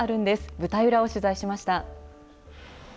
舞台裏を取材しました。